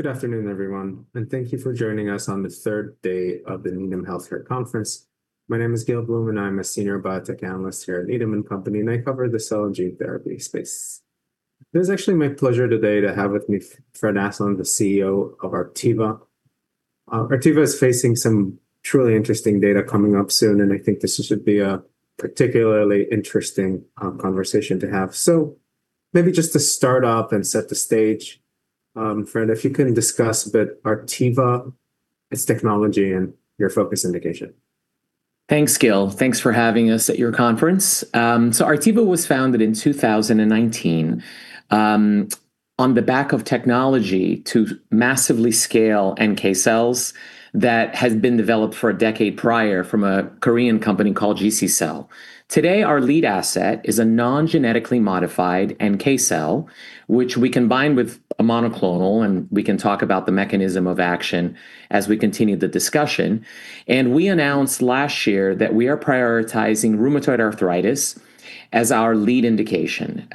Good afternoon, everyone, and thank you for joining us on the third day of the Needham Healthcare Conference. My name is Gil Blum, and I'm a Senior Biotech Analyst here at Needham & Company, and I cover the cell and gene therapy space. It is actually my pleasure today to have with me Fred Aslan, the CEO of Artiva. Artiva is facing some truly interesting data coming up soon, and I think this should be a particularly interesting conversation to have. Maybe just to start off and set the stage, Fred, if you can discuss a bit Artiva, its technology, and your focus indication. Thanks, Gil. Thanks for having us at your conference. Artiva was founded in 2019 on the back of technology to massively scale NK cells that had been developed for a decade prior from a Korean company called GC Cell. Today, our lead asset is a non-genetically modified NK cell, which we combine with a monoclonal, and we can talk about the mechanism of action as we continue the discussion. We announced last year that we are prioritizing rheumatoid arthritis as our lead indication.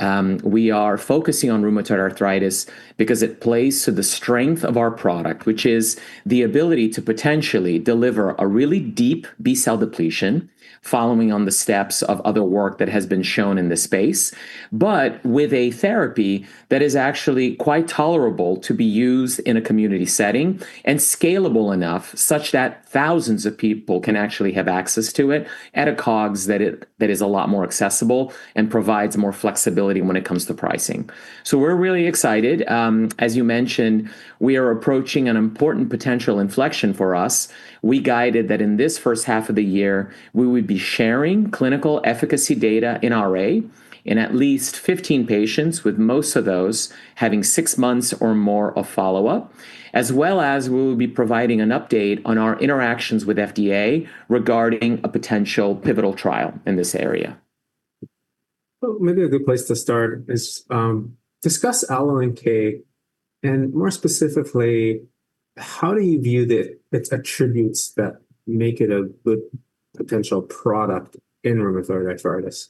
We are focusing on rheumatoid arthritis because it plays to the strength of our product, which is the ability to potentially deliver a really deep B-cell depletion following on the steps of other work that has been shown in this space, but with a therapy that is actually quite tolerable to be used in a community setting and scalable enough such that thousands of people can actually have access to it at a COGS that is a lot more accessible and provides more flexibility when it comes to pricing. So, we're really excited. As you mentioned, we are approaching an important potential inflection for us. We guided that in this first half of the year, we would be sharing clinical efficacy data in RA in at least 15 patients, with most of those having six months or more of follow-up, as well as we will be providing an update on our interactions with FDA regarding a potential pivotal trial in this area. Well, maybe a good place to start is discuss AlloNK and more specifically, how do you view the attributes that make it a good potential product in rheumatoid arthritis?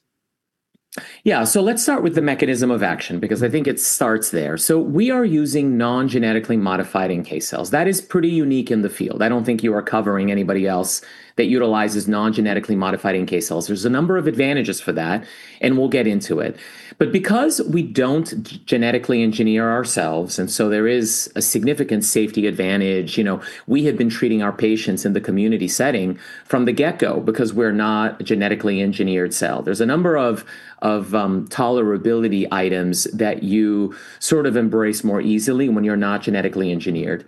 Yeah. So let's start with the mechanism of action, because I think it starts there. We are using non-genetically modified NK cells. That is pretty unique in the field. I don't think you are covering anybody else that utilizes non-genetically modified NK cells. There's a number of advantages for that, and we'll get into it. Because we don't genetically engineer our cells, and so there is a significant safety advantage, we have been treating our patients in the community setting from the get-go because we're not a genetically engineered cell. There's a number of tolerability items that you sort of embrace more easily when you're not genetically engineered.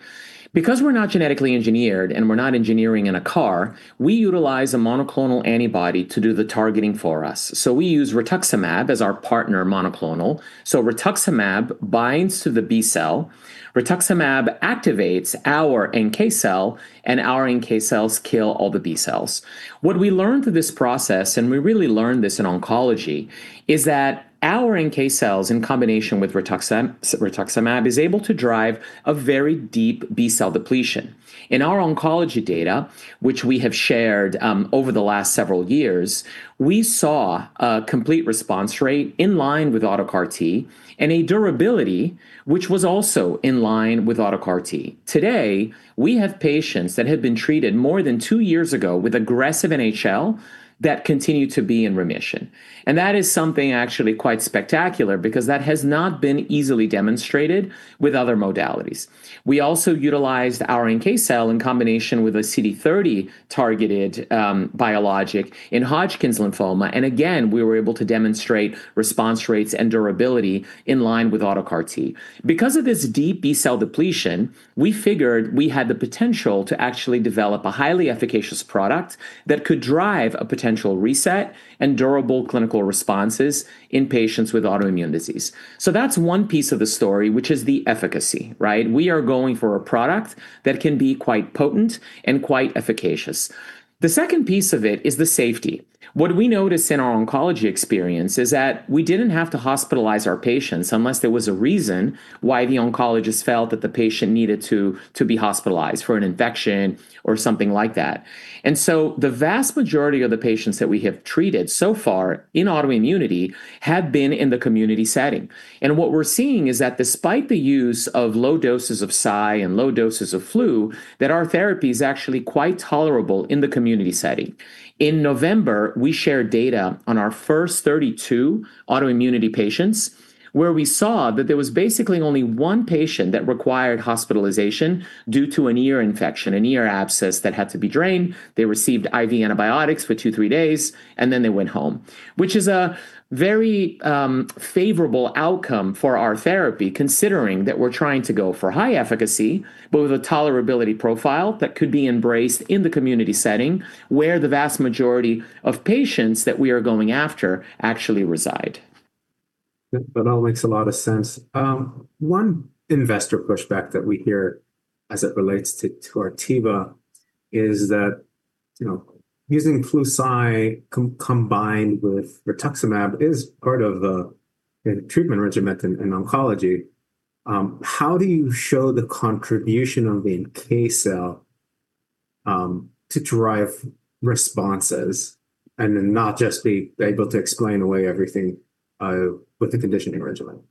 Because we're not genetically engineered and we're not engineering in a CAR, we utilize a monoclonal antibody to do the targeting for us. So we use rituximab as our partner monoclonal. Rituximab binds to the B cell, rituximab activates our NK cell, and our NK cells kill all the B cells. What we learned through this process, and we really learned this in oncology, is that our NK cells, in combination with rituximab, is able to drive a very deep B-cell depletion. In our oncology data, which we have shared over the last several years, we saw a complete response rate in line with auto CAR T and a durability which was also in line with auto CAR T. Today, we have patients that have been treated more than two years ago with aggressive NHL that continue to be in remission. And that is something actually quite spectacular because that has not been easily demonstrated with other modalities. We also utilized our NK cell in combination with a CD30-targeted biologic in Hodgkin's lymphoma, and again, we were able to demonstrate response rates and durability in line with auto CAR T. Because of this deep B-cell depletion, we figured we had the potential to actually develop a highly efficacious product that could drive a potential reset and durable clinical responses in patients with autoimmune disease. That's one piece of the story, which is the efficacy, right? We are going for a product that can be quite potent and quite efficacious. The second piece of it is the safety. What we noticed in our oncology experience is that we didn't have to hospitalize our patients unless there was a reason why the oncologist felt that the patient needed to be hospitalized for an infection or something like that. And so the vast majority of the patients that we have treated so far in autoimmunity have been in the community setting. What we're seeing is that despite the use of low doses of Cy and low doses of Flu, that our therapy is actually quite tolerable in the community setting. In November, we shared data on our first 32 autoimmunity patients, where we saw that there was basically only one patient that required hospitalization due to an ear infection, an ear abscess that had to be drained. They received IV antibiotics for two-three days, and then they went home, which is a very favorable outcome for our therapy, considering that we're trying to go for high efficacy, but with a tolerability profile that could be embraced in the community setting, where the vast majority of patients that we are going after actually reside. That all makes a lot of sense. One investor pushback that we hear as it relates to Artiva is that using Flu/Cy combined with rituximab is part of the treatment regimen in oncology. How do you show the contribution of the NK cell to drive responses and then not just be able to explain away everything with the conditioning regimen?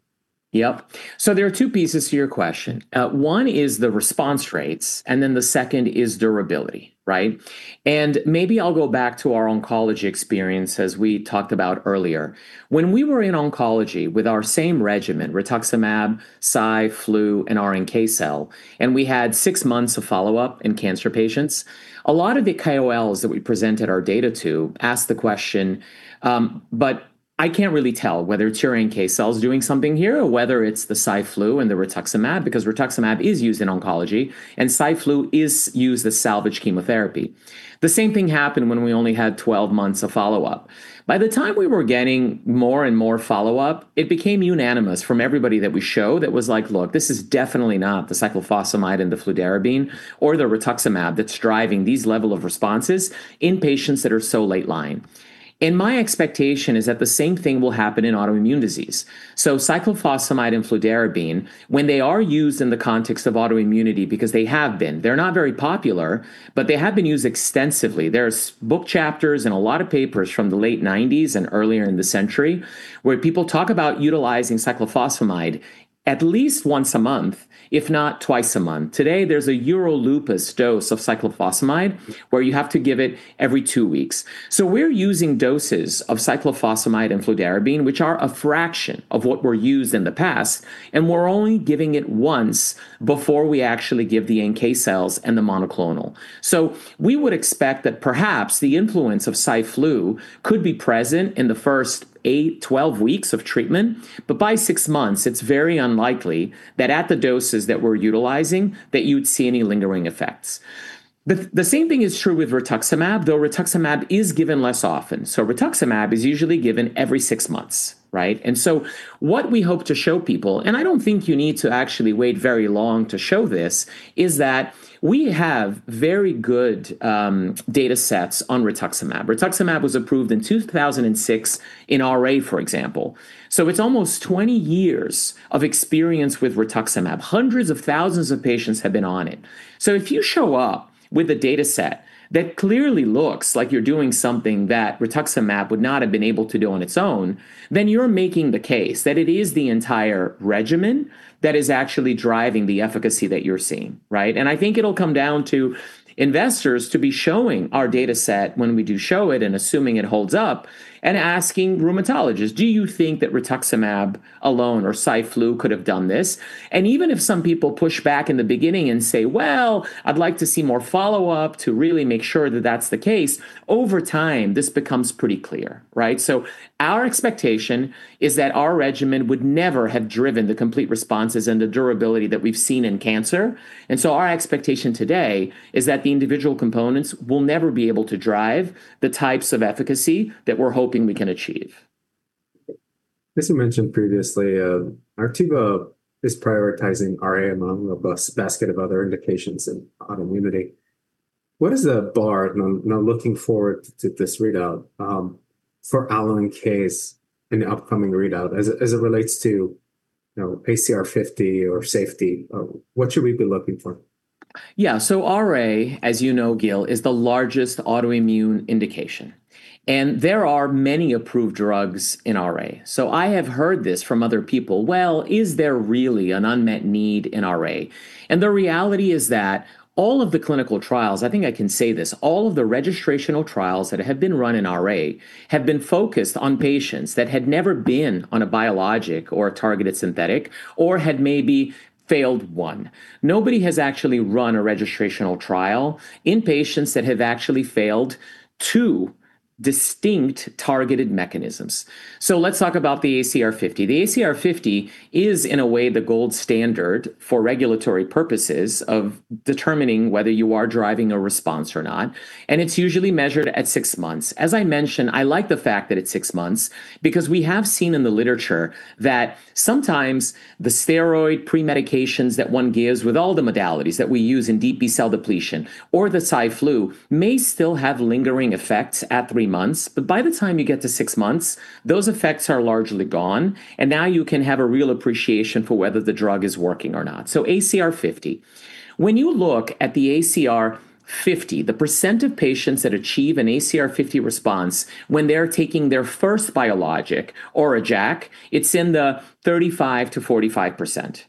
Yep. So there are two pieces to your question. One is the response rates, and then the second is durability. Right? Maybe I'll go back to our oncology experience as we talked about earlier. When we were in oncology with our same regimen, rituximab, Cy/Flu, and our NK cells, and we had six months of follow-up in cancer patients. A lot of the KOLs that we presented our data to asked the question, but I can't really tell whether it's your NK cells doing something here or whether it's the Cy/Flu and the rituximab. Because rituximab is used in oncology and Cy/Flu is used as salvage chemotherapy. The same thing happened when we only had 12 months of follow-up. By the time we were getting more and more follow-up, it became unanimous from everybody that we show was like, look, this is definitely not the cyclophosphamide and the fludarabine or the rituximab that's driving these level of responses in patients that are so late-line. My expectation is that the same thing will happen in autoimmune disease. So cyclophosphamide and fludarabine, when they are used in the context of autoimmunity, because they have been, they're not very popular, but they have been used extensively. There's book chapters and a lot of papers from the late 1990s and earlier in the century where people talk about utilizing cyclophosphamide at least once a month, if not twice a month. Today, there's a Euro-Lupus dose of cyclophosphamide where you have to give it every two weeks. We're using doses of cyclophosphamide and fludarabine, which are a fraction of what were used in the past, and we're only giving it once before we actually give the NK cells and the monoclonal. So we would expect that perhaps the influence of Cy/Flu could be present in the first eight-12 weeks of treatment. By six months, it's very unlikely that at the doses that we're utilizing, that you'd see any lingering effects. The same thing is true with rituximab, though rituximab is given less often. So rituximab is usually given every six months, right? So what we hope to show people, and I don't think you need to actually wait very long to show this, is that we have very good data sets on rituximab. Rituximab was approved in 2006 in RA, for example. So it's almost 20 years of experience with rituximab. Hundreds of thousands of patients have been on it. If you show up with a dataset that clearly looks like you're doing something that rituximab would not have been able to do on its own, then you're making the case that it is the entire regimen that is actually driving the efficacy that you're seeing, right? I think it'll come down to investors to be showing our dataset when we do show it, and assuming it holds up, and asking rheumatologists, "Do you think that rituximab alone or Cy/Flu could have done this?" And even if some people push back in the beginning and say, "Well, I'd like to see more follow-up to really make sure that that's the case," over time, this becomes pretty clear, right? So our expectation is that our regimen would never have driven the complete responses and the durability that we've seen in cancer. Our expectation today is that the individual components will never be able to drive the types of efficacy that we're hoping we can achieve. As you mentioned previously, Artiva is prioritizing RA among a basket of other indications in autoimmunity. What is the bar now looking forward to this readout for AlloNK in the upcoming readout as it relates to ACR50 or safety? What should we be looking for? Yeah. RA, as you know, Gil, is the largest autoimmune indication. And there are many approved drugs in RA. So I have heard this from other people. Well, is there really an unmet need in RA? And the reality is that all of the clinical trials, I think I can say this, all of the registrational trials that have been run in RA have been focused on patients that had never been on a biologic or a targeted synthetic or had maybe failed one. Nobody has actually run a registrational trial in patients that have actually failed two distinct targeted mechanisms. So let's talk about the ACR50. The ACR50 is, in a way, the gold standard for regulatory purposes of determining whether you are driving a response or not, and it's usually measured at six months. As I mentioned, I like the fact that it's six months because we have seen in the literature that sometimes the steroid pre-medications that one gives with all the modalities that we use in B-cell depletion or the Cy/Flu may still have lingering effects at three months. By the time you get to six months, those effects are largely gone, and now you can have a real appreciation for whether the drug is working or not. So the ACR50, when you look at the ACR50, the percentage of patients that achieve an ACR50 response when they're taking their first biologic or a JAK, it's in the 35%-45%.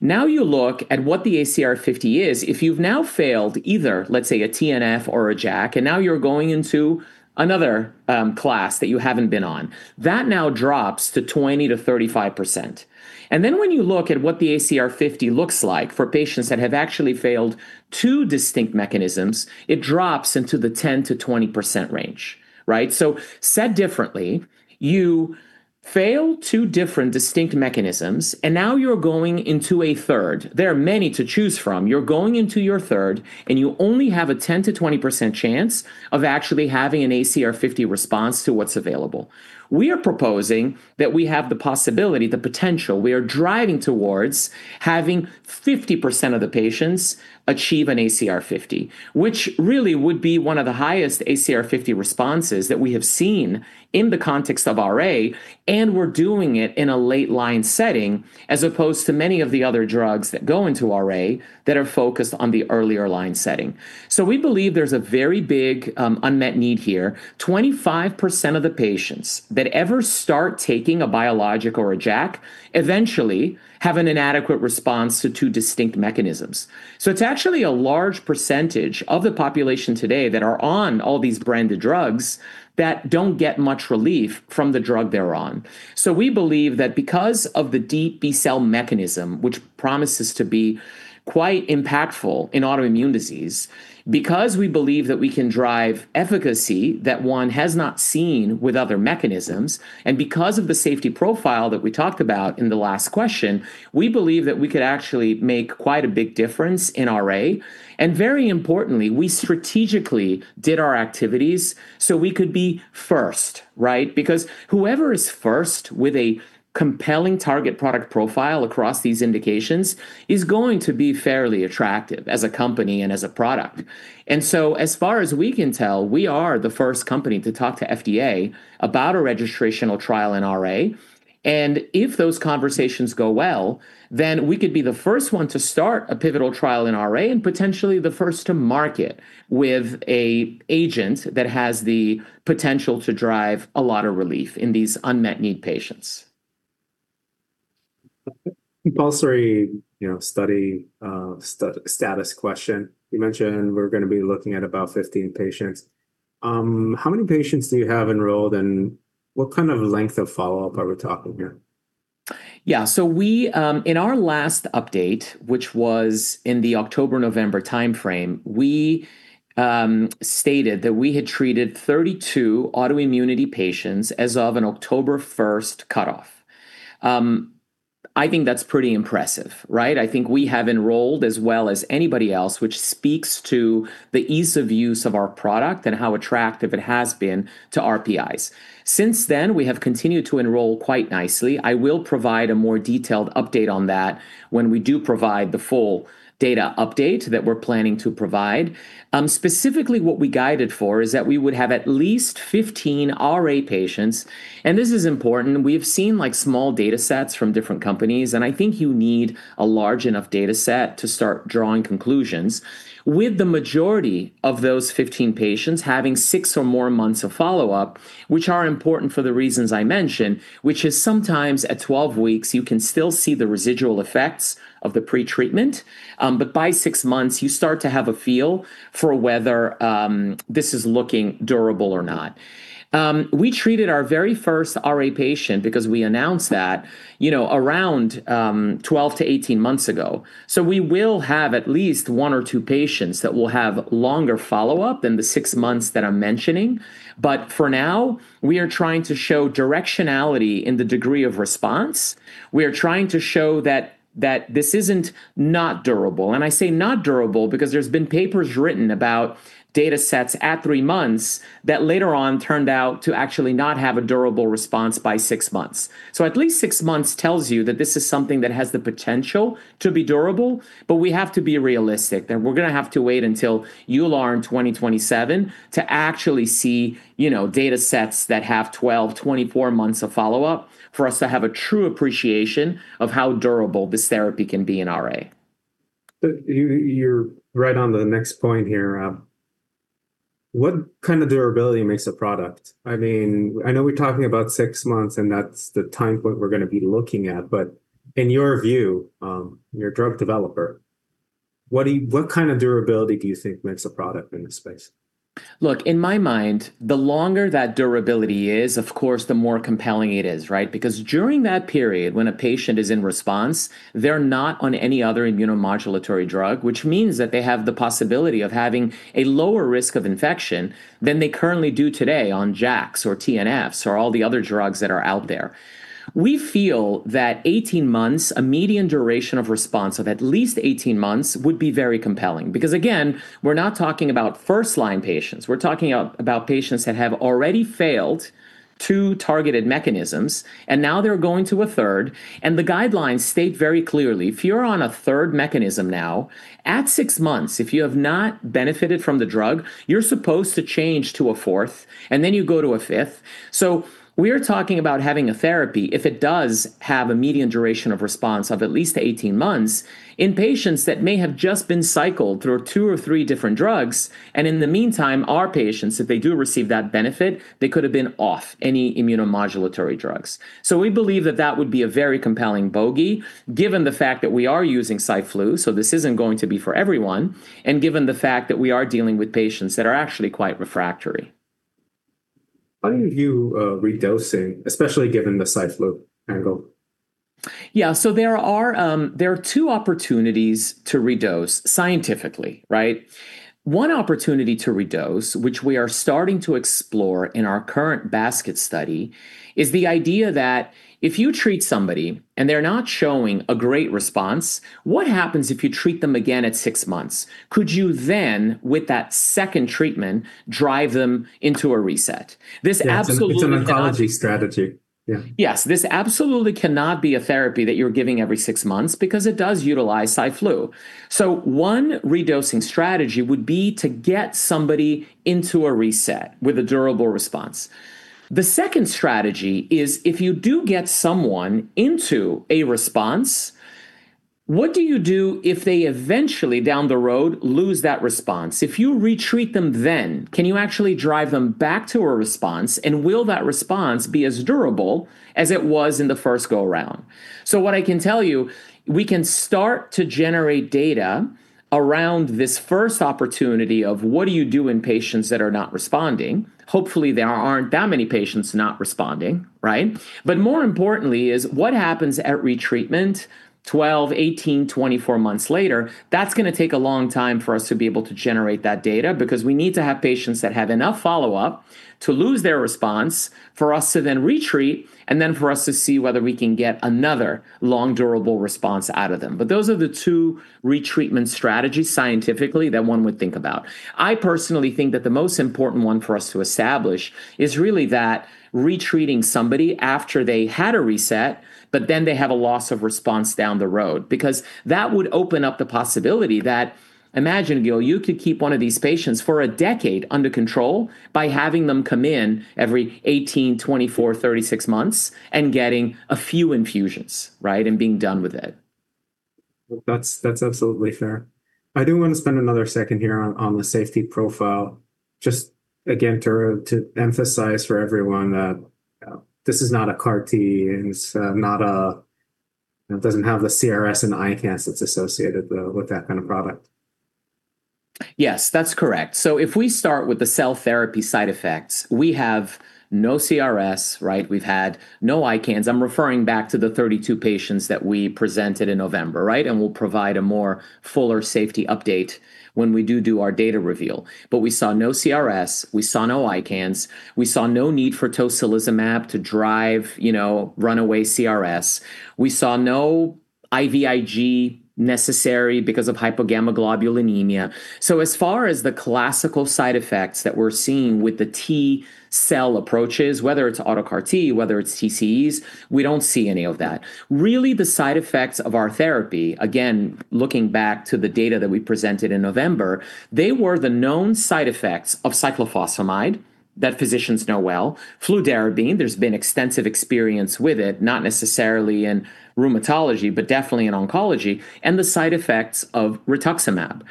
Now you look at what the ACR50 is. If you've now failed either, let's say, a TNF or a JAK, and now you're going into another class that you haven't been on, that now drops to 20%-35%. And then when you look at what the ACR50 looks like for patients that have actually failed two distinct mechanisms, it drops into the 10%-20% range. Right? Said differently, you fail two different distinct mechanisms, and now you're going into a third. There are many to choose from. You're going into your third, and you only have a 10%-20% chance of actually having an ACR50 response to what's available. We are proposing that we have the possibility, the potential, we are driving towards having 50% of the patients achieve an ACR50, which really would be one of the highest ACR50 responses that we have seen in the context of RA, and we're doing it in a late-line setting, as opposed to many of the other drugs that go into RA that are focused on the earlier-line setting. So we believe there's a very big unmet need here. 25% of the patients that ever start taking a biologic or a JAK, eventually have an inadequate response to two distinct mechanisms. It's actually a large percentage of the population today that are on all these branded drugs that don't get much relief from the drug they're on. So we believe that because of the deep B-cell mechanism, which promises to be quite impactful in autoimmune disease because we believe that we can drive efficacy that one has not seen with other mechanisms, and because of the safety profile that we talked about in the last question, we believe that we could actually make quite a big difference in RA. And very importantly, we strategically did our activities so we could be first, right? Because whoever is first with a compelling target product profile across these indications is going to be fairly attractive as a company and as a product. And so as far as we can tell, we are the first company to talk to FDA about a registrational trial in RA. And if those conversations go well, then we could be the first one to start a pivotal trial in RA, and potentially the first to market with an agent that has the potential to drive a lot of relief in these unmet need patients. Clinical study status question. You mentioned we're going to be looking at about 15 patients. How many patients do you have enrolled, and what kind of length of follow-up are we talking here? Yeah. So we, in our last update, which was in the October-November timeframe, we stated that we had treated 32 autoimmunity patients as of an October first cutoff. I think that's pretty impressive, right? I think we have enrolled as well as anybody else, which speaks to the ease of use of our product and how attractive it has been to PIs. Since then, we have continued to enroll quite nicely. I will provide a more detailed update on that when we do provide the full data update that we're planning to provide. Specifically what we guided for is that we would have at least 15 RA patients, and this is important. We've seen small data sets from different companies, and I think you need a large enough data set to start drawing conclusions. With the majority of those 15 patients having six or more months of follow-up, which are important for the reasons I mentioned, which is sometimes at 12 weeks, you can still see the residual effects of the pretreatment. By six months, you start to have a feel for whether this is looking durable or not. We treated our very first RA patient, because we announced that, around 12-18 months ago. We will have at least one or two patients that will have longer follow-up than the six months that I'm mentioning. But for now, we are trying to show directionality in the degree of response. We are trying to show that this isn't not durable, and I say not durable because there's been papers written about data sets at three months that later on turned out to actually not have a durable response by six months. At least six months tells you that this is something that has the potential to be durable, but we have to be realistic, that we're going to have to wait until EULAR in 2027 to actually see data sets that have 12, 24 months of follow-up for us to have a true appreciation of how durable this therapy can be in RA. You're right on to the next point here. What kind of durability makes a product? I know we're talking about six months, and that's the time point we're going to be looking at, but in your view, you're a drug developer, what kind of durability do you think makes a product in this space? Look, in my mind, the longer that durability is, of course, the more compelling it is, right? Because during that period, when a patient is in response, they're not on any other immunomodulatory drug, which means that they have the possibility of having a lower risk of infection than they currently do today on JAKs, or TNFs, or all the other drugs that are out there. We feel that 18 months, a median duration of response of at least 18 months would be very compelling. Because again, we're not talking about first-line patients. We're talking about patients that have already failed two targeted mechanisms, and now they're going to a third. And the guidelines state very clearly, if you're on a third mechanism now, at six months, if you have not benefited from the drug, you're supposed to change to a fourth, and then you go to a fifth. We are talking about having a therapy, if it does have a median duration of response of at least 18 months, in patients that may have just been cycled through two or three different drugs. In the meantime, our patients, if they do receive that benefit, they could have been off any immunomodulatory drugs. We believe that that would be a very compelling bogey, given the fact that we are using Cy/Flu, so this isn't going to be for everyone, and given the fact that we are dealing with patients that are actually quite refractory. How do you view redosing, especially given the Cy/Flu angle? Yeah. There are two opportunities to redose scientifically, right? One opportunity to redose, which we are starting to explore in our current basket study, is the idea that if you treat somebody and they're not showing a great response, what happens if you treat them again at six months? Could you then, with that second treatment, drive them into a reset? It's an oncology strategy. Yeah. Yes. This absolutely cannot be a therapy that you're giving every six months because it does utilize Cy/Flu. So one redosing strategy would be to get somebody into a reset with a durable response. The second strategy is if you do get someone into a response, what do you do if they eventually, down the road, lose that response? If you re-treat them, then can you actually drive them back to a response, and will that response be as durable as it was in the first go-around? What I can tell you, we can start to generate data around this first opportunity of what do you do in patients that are not responding. Hopefully, there aren't that many patients not responding. More importantly is what happens at retreatment 12, 18, 24 months later. That's going to take a long time for us to be able to generate that data, because we need to have patients that have enough follow-up to lose their response for us to then re-treat, and then for us to see whether we can get another long, durable response out of them. Those are the two retreatment strategies, scientifically, that one would think about. I personally think that the most important one for us to establish is really that re-treating somebody after they had a reset, but then they have a loss of response down the road. Because that would open up the possibility that, imagine, Gil, you could keep one of these patients for a decade under control by having them come in every 18, 24, 36 months, and getting a few infusions, and being done with it. Well, that's absolutely fair. I do want to spend another second here on the safety profile. Just again, to emphasize for everyone that this is not a CAR T, it doesn't have the CRS and ICANS that's associated with that kind of product. Yes, that's correct. If we start with the cell therapy side effects, we have no CRS. We've had no ICANS. I'm referring back to the 32 patients that we presented in November. We'll provide a more fuller safety update when we do our data reveal. We saw no CRS, we saw no ICANS, we saw no need for tocilizumab to drive runaway CRS. We saw no IVIG necessary because of hypogammaglobulinemia. As far as the classical side effects that we're seeing with the T-cell approaches, whether it's auto CAR T, whether it's TCEs, we don't see any of that. Really, the side effects of our therapy, again, looking back to the data that we presented in November, they were the known side effects of cyclophosphamide that physicians know well, fludarabine, there's been extensive experience with it, not necessarily in rheumatology, but definitely in oncology, and the side effects of rituximab.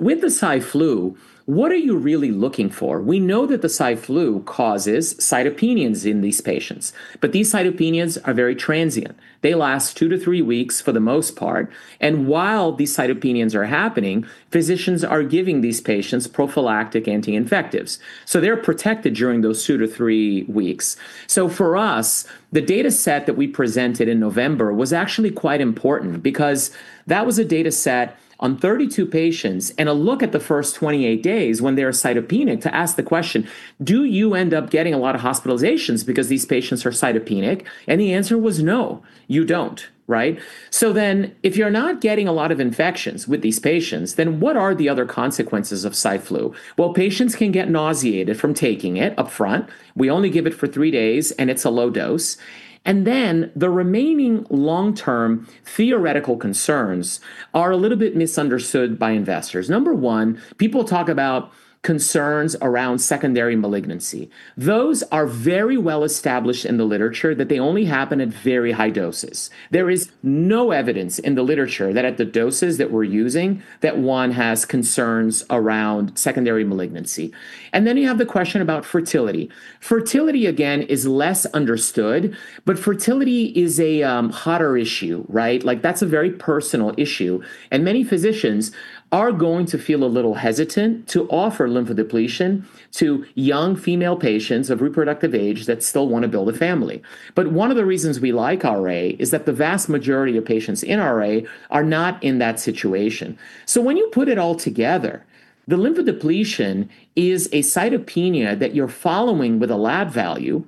With the Cy/Flu, what are you really looking for? We know that the Cy/Flu causes cytopenias in these patients, but these cytopenias are very transient. They last two to three weeks for the most part. While these cytopenias are happening, physicians are giving these patients prophylactic anti-infectives. They're protected during those two to three weeks. For us, the data set that we presented in November was actually quite important because that was a data set on 32 patients. A look at the first 28 days when they were cytopenic to ask the question, do you end up getting a lot of hospitalizations because these patients are cytopenic? The answer was no, you don't. If you're not getting a lot of infections with these patients, then what are the other consequences of Cy/Flu? Well, patients can get nauseated from taking it upfront. We only give it for three days, and it's a low dose. The remaining long-term theoretical concerns are a little bit misunderstood by investors. Number one, people talk about concerns around secondary malignancy. Those are very well established in the literature that they only happen at very high doses. There is no evidence in the literature that at the doses that we're using, that one has concerns around secondary malignancy. You have the question about fertility. Fertility, again, is less understood, but fertility is a hotter issue. That's a very personal issue, and many physicians are going to feel a little hesitant to offer lymphodepletion to young female patients of reproductive age that still want to build a family. One of the reasons we like RA is that the vast majority of patients in RA are not in that situation. When you put it all together, the lymphodepletion is a cytopenia that you're following with a lab value.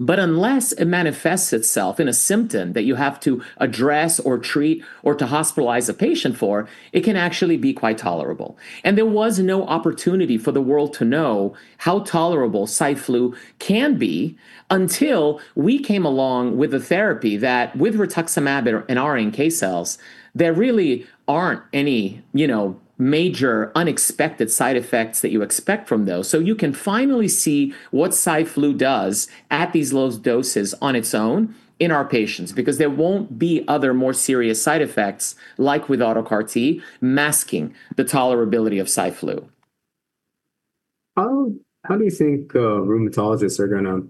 Unless it manifests itself in a symptom that you have to address or treat or to hospitalize a patient for, it can actually be quite tolerable. There was no opportunity for the world to know how tolerable Cy/Flu can be until we came along with a therapy that with rituximab and our NK cells, there really aren't any major unexpected side effects that you expect from those. You can finally see what Cy/Flu does at these low doses on its own in our patients, because there won't be other more serious side effects like with auto CAR T masking the tolerability of Cy/Flu. How do you think rheumatologists are going to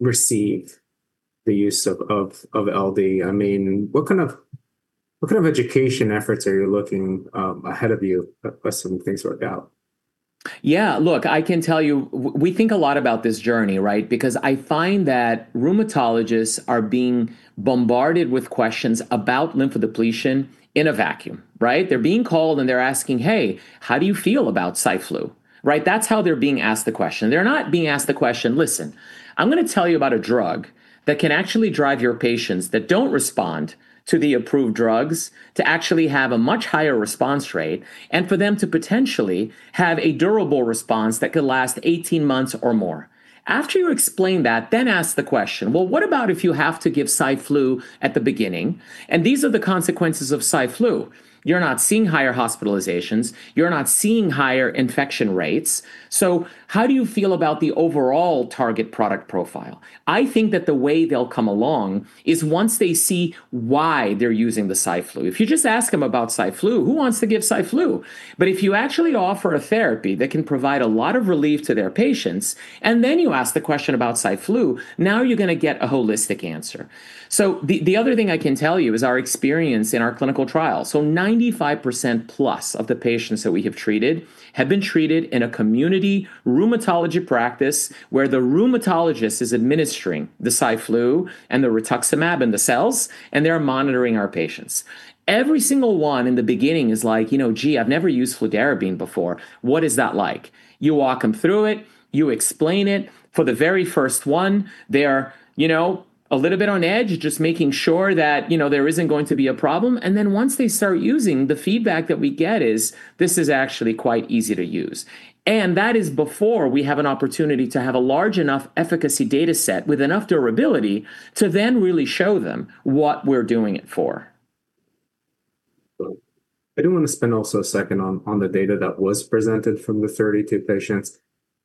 receive the use of LD? What kind of education efforts are you looking ahead of you as some things work out? Yeah, look, I can tell you, we think a lot about this journey. Because I find that rheumatologists are being bombarded with questions about lymphodepletion in a vacuum. They're being called, and they're asking, "Hey, how do you feel about Cy/Flu?" That's how they're being asked the question. They're not being asked the question, "Listen, I'm going to tell you about a drug that can actually drive your patients that don't respond to the approved drugs to actually have a much higher response rate, and for them to potentially have a durable response that could last 18 months or more." After you explain that, then ask the question, "Well, what about if you have to give Cy/Flu at the beginning, and these are the consequences of Cy/Flu?" You're not seeing higher hospitalizations, you're not seeing higher infection rates. How do you feel about the overall target product profile? I think that the way they'll come along is once they see why they're using the Cy/Flu. If you just ask them about Cy/Flu, who wants to give Cy/Flu? If you actually offer a therapy that can provide a lot of relief to their patients, and then you ask the question about Cy/Flu, now you're going to get a holistic answer. The other thing I can tell you is our experience in our clinical trial. 95%+ of the patients that we have treated have been treated in a community rheumatology practice where the rheumatologist is administering the Cy/Flu and the rituximab and the cells, and they're monitoring our patients. Every single one in the beginning is like, gee, I've never used fludarabine before, what is that like? You walk them through it, you explain it. For the very first one, they're a little bit on edge, just making sure that there isn't going to be a problem. Once they start using, the feedback that we get is, "This is actually quite easy to use." That is before we have an opportunity to have a large enough efficacy data set with enough durability to then really show them what we're doing it for. I do want to spend also a second on the data that was presented from the 32 patients.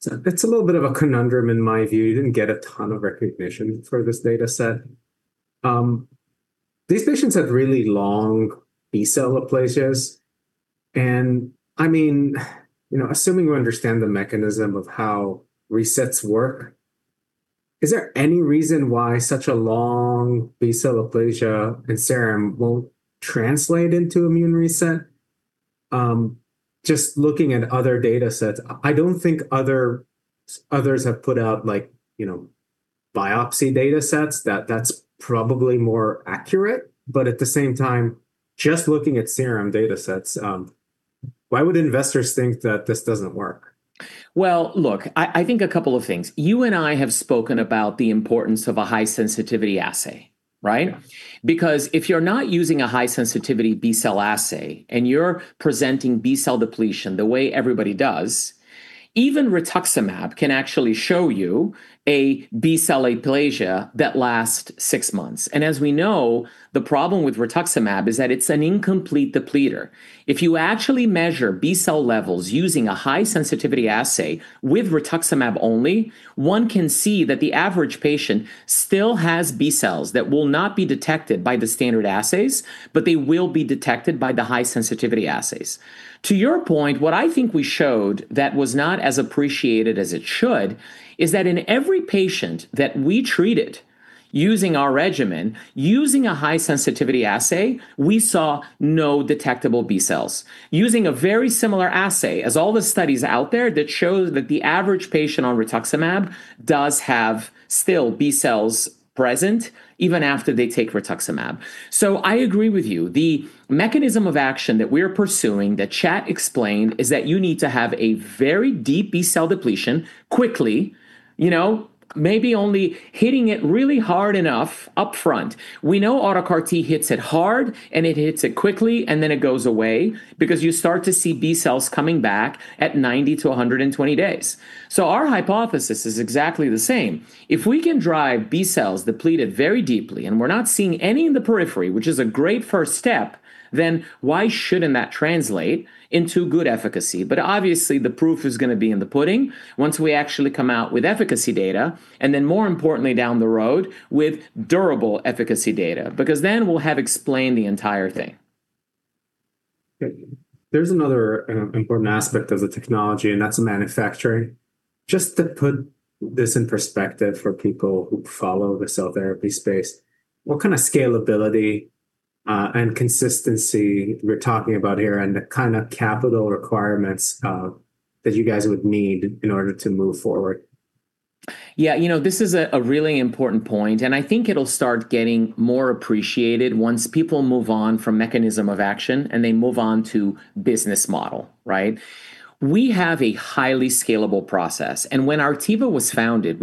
It's a little bit of a conundrum in my view. You didn't get a ton of recognition for this data set. These patients have really long B-cell aplasias. Assuming you understand the mechanism of how resets work, is there any reason why such a long B-cell aplasia in serum won't translate into immune reset? Just looking at other data sets, I don't think others have put out biopsy data sets. That's probably more accurate. At the same time, just looking at serum data sets, why would investors think that this doesn't work? Well, look, I think a couple of things. You and I have spoken about the importance of a high sensitivity assay, right? Yeah. If you're not using a high sensitivity B-cell assay and you're presenting B-cell depletion the way everybody does, even rituximab can actually show you a B-cell aplasia that lasts six months. As we know, the problem with rituximab is that it's an incomplete depleter. If you actually measure B-cell levels using a high sensitivity assay with rituximab only, one can see that the average patient still has B cells that will not be detected by the standard assays, but they will be detected by the high sensitivity assays. To your point, what I think we showed that was not as appreciated as it should, is that in every patient that we treated using our regimen, using a high sensitivity assay, we saw no detectable B cells. Using a very similar assay as all the studies out there that show that the average patient on rituximab does have still B cells present even after they take rituximab. I agree with you. The mechanism of action that we're pursuing, that Chad explained, is that you need to have a very deep B-cell depletion quickly. Maybe only hitting it really hard enough up front. We know auto CAR T hits it hard, and it hits it quickly, and then it goes away because you start to see B cells coming back at 90 days-120 days. Our hypothesis is exactly the same. If we can drive B cells depleted very deeply, and we're not seeing any in the periphery, which is a great first step, then why shouldn't that translate into good efficacy? Obviously the proof is going to be in the pudding once we actually come out with efficacy data, and then more importantly, down the road, with durable efficacy data, because then we'll have explained the entire thing. There's another important aspect of the technology, and that's the manufacturing. Just to put this in perspective for people who follow the cell therapy space, what kind of scalability and consistency we're talking about here and the kind of capital requirements that you guys would need in order to move forward? This is a really important point, and I think it'll start getting more appreciated once people move on from mechanism of action, and they move on to business model, right? We have a highly scalable process. When Artiva was founded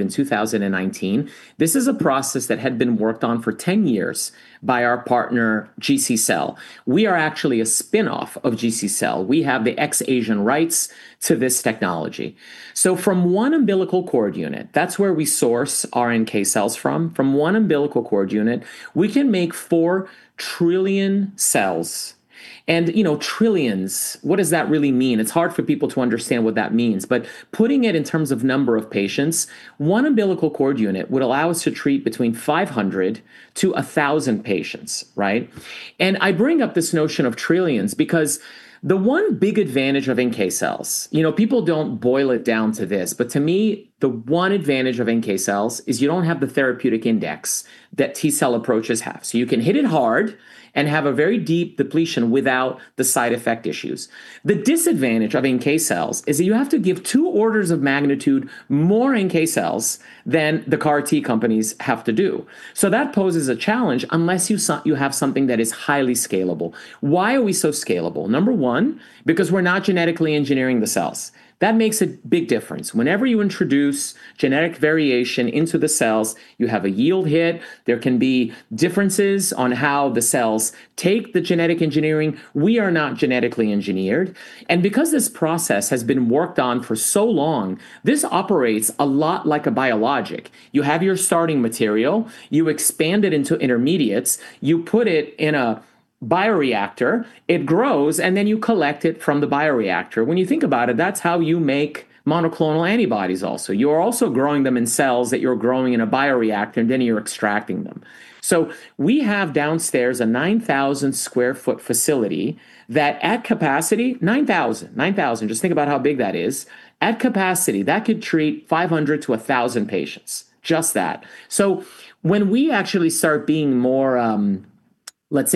in 2019, this is a process that had been worked on for 10 years by our partner, GC Cell. We are actually a spinoff of GC Cell. We have the ex-Asian rights to this technology. From one umbilical cord unit, that's where we source our NK cells from. From one umbilical cord unit, we can make four trillion cells. Trillions, what does that really mean? It's hard for people to understand what that means. Putting it in terms of number of patients, one umbilical cord unit would allow us to treat between 500-1,000 patients, right? I bring up this notion of trillions because the one big advantage of NK cells, people don't boil it down to this, but to me, the one advantage of NK cells is you don't have the therapeutic index that T-cell approaches have. You can hit it hard and have a very deep depletion without the side effect issues. The disadvantage of NK cells is that you have to give two orders of magnitude more NK cells than the CAR T companies have to do. That poses a challenge, unless you have something that is highly scalable. Why are we so scalable? Number one, because we're not genetically engineering the cells. That makes a big difference. Whenever you introduce genetic variation into the cells, you have a yield hit. There can be differences on how the cells take the genetic engineering. We are not genetically engineered, and because this process has been worked on for so long, this operates a lot like a biologic. You have your starting material, you expand it into intermediates, you put it in a bioreactor, it grows, and then you collect it from the bioreactor. When you think about it, that's how you make monoclonal antibodies also. You are also growing them in cells that you're growing in a bioreactor, and then you're extracting them. We have downstairs a 9,000 sq ft facility that at capacity, 9,000, just think about how big that is. At capacity, that could treat 500-1,000 patients, just that. When we actually start being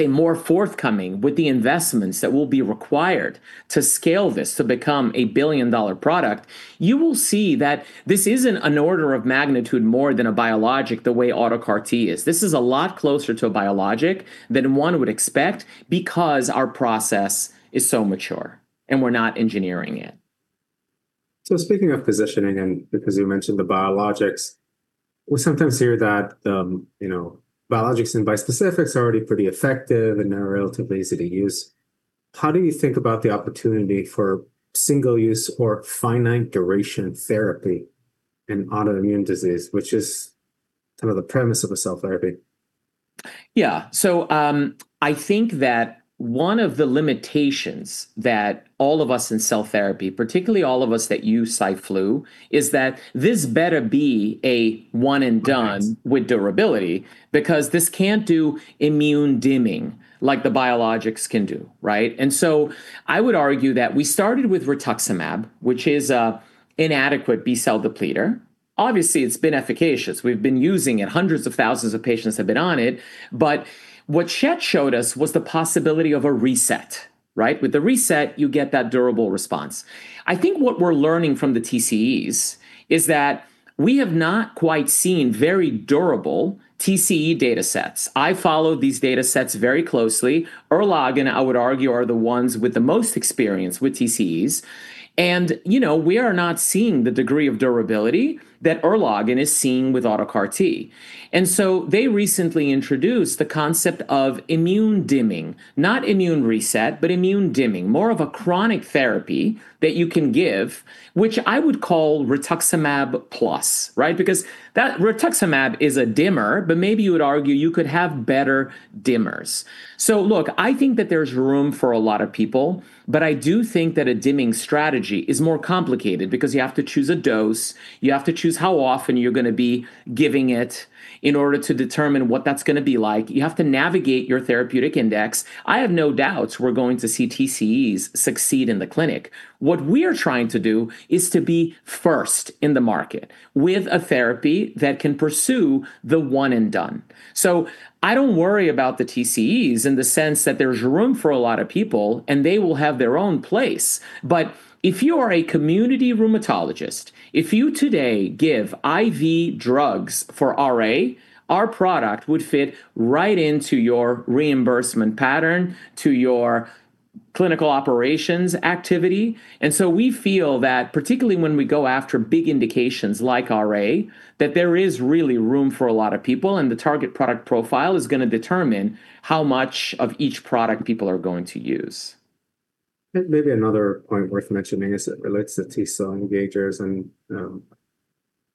more forthcoming with the investments that will be required to scale this to become a billion-dollar product, you will see that this isn't an order of magnitude more than a biologic the way auto CAR T is. This is a lot closer to a biologic than one would expect because our process is so mature and we're not engineering it. Speaking of positioning, and because you mentioned the biologics, we sometimes hear that biologics and bispecifics are already pretty effective and they're relatively easy to use. How do you think about the opportunity for single use or finite duration therapy in autoimmune disease, which is kind of the premise of a cell therapy? I think that one of the limitations that all of us in cell therapy, particularly all of us that use Cy/Flu, is that this better be a one and done. Right With durability because this can't do immune dimming like the biologics can do, right? I would argue that we started with rituximab, which is an inadequate B-cell depleter. Obviously, it's been efficacious. We've been using it. Hundreds of thousands of patients have been on it. What Thad showed us was the possibility of a reset, right? With the reset, you get that durable response. I think what we're learning from the TCEs is that we have not quite seen very durable TCE data sets. I followed these data sets very closely. Erlogen, I would argue, are the ones with the most experience with TCEs. We are not seeing the degree of durability that Erlogen is seeing with auto CAR T. They recently introduced the concept of immune dimming, not immune reset, but immune dimming. More of a chronic therapy that you can give, which I would call rituximab plus. Right? Because that rituximab is a dimmer, but maybe you would argue you could have better dimmers. Look, I think that there's room for a lot of people, but I do think that a dimming strategy is more complicated because you have to choose a dose, you have to choose how often you're going to be giving it in order to determine what that's going to be like. You have to navigate your therapeutic index. I have no doubts we're going to see TCEs succeed in the clinic. What we're trying to do is to be first in the market with a therapy that can pursue the one and done. I don't worry about the TCEs in the sense that there's room for a lot of people, and they will have their own place. If you are a community rheumatologist, if you today give IV drugs for RA, our product would fit right into your reimbursement pattern, to your clinical operations activity. We feel that particularly when we go after big indications like RA, that there is really room for a lot of people, and the target product profile is going to determine how much of each product people are going to use. Maybe another point worth mentioning as it relates to T cell engagers, and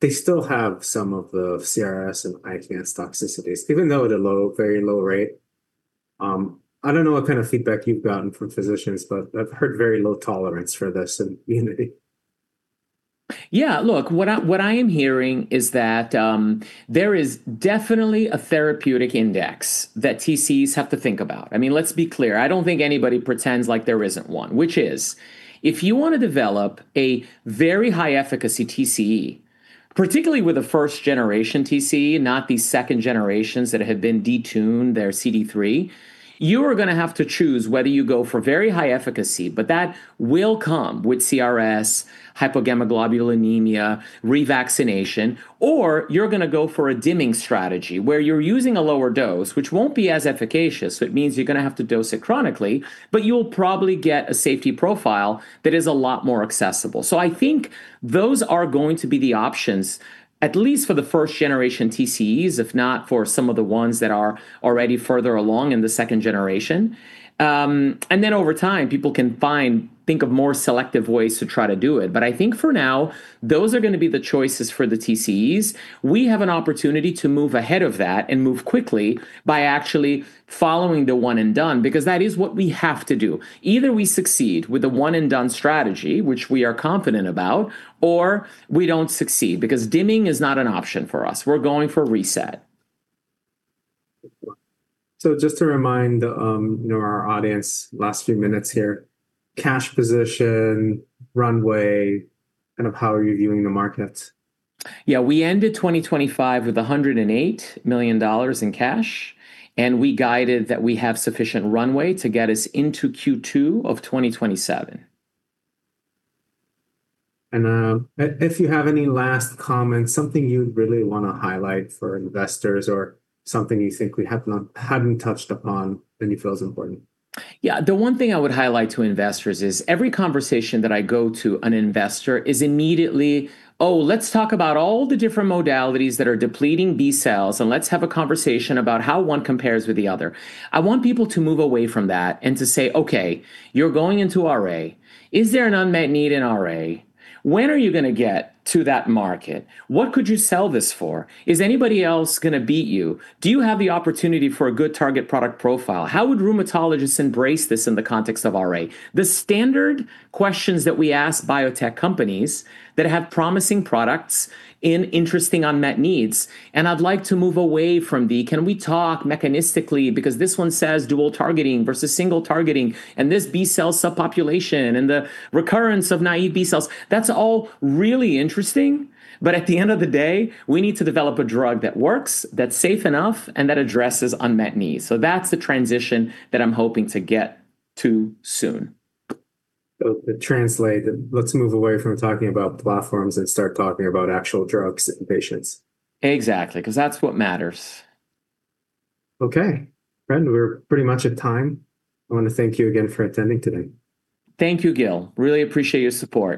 they still have some of the CRS and ICANS toxicities, even though at a very low rate. I don't know what kind of feedback you've gotten from physicians, but I've heard very low tolerance for this in the community. Yeah. Look, what I am hearing is that there is definitely a therapeutic index that TCEs have to think about. Let's be clear. I don't think anybody pretends like there isn't one, which is if you want to develop a very high efficacy TCE, particularly with a 1st-generation TCE, not these 2nd-generations that have been detuned their CD3, you are going to have to choose whether you go for very high efficacy. That will come with CRS, hypogammaglobulinemia, revaccination, or you're going to go for a dimming strategy where you're using a lower dose, which won't be as efficacious. It means you're going to have to dose it chronically, but you'll probably get a safety profile that is a lot more accessible. I think those are going to be the options, at least for the first-generation TCEs, if not for some of the ones that are already further along in the second-generation. Over time, people can think of more selective ways to try to do it. I think for now, those are going to be the choices for the TCEs. We have an opportunity to move ahead of that and move quickly by actually following the one-and-done, because that is what we have to do. Either we succeed with the one-and-done strategy, which we are confident about, or we don't succeed because dimming is not an option for us. We're going for reset. Just to remind our audience, last few minutes here, cash position, runway, kind of how are you viewing the market? Yeah. We ended 2025 with $108 million in cash, and we guided that we have sufficient runway to get us into Q2 of 2027. If you have any last comments, something you'd really want to highlight for investors or something you think we hadn't touched upon that you feel is important? Yeah. The one thing I would highlight to investors is every conversation that I go to an investor is immediately, "Oh, let's talk about all the different modalities that are depleting B cells, and let's have a conversation about how one compares with the other." I want people to move away from that and to say, "Okay, you're going into RA. Is there an unmet need in RA? When are you going to get to that market? What could you sell this for? Is anybody else going to beat you? Do you have the opportunity for a good target product profile? How would rheumatologists embrace this in the context of RA? The standard questions that we ask biotech companies that have promising products in interesting unmet needs, and I'd like to move away from the can we talk mechanistically because this one says dual targeting versus single targeting, and this B-cell subpopulation and the recurrence of naive B-cells. That's all really interesting, but at the end of the day, we need to develop a drug that works, that's safe enough, and that addresses unmet needs. That's the transition that I'm hoping to get to soon. To translate, let's move away from talking about platforms and start talking about actual drugs in patients. Exactly, because that's what matters. Okay. Fred, we're pretty much at time. I want to thank you again for attending today. Thank you, Gil. Really appreciate your support.